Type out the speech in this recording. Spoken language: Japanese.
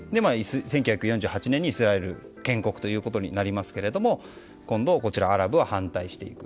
１９４８年にイスラエル建国となりますが今度はアラブは反対していく。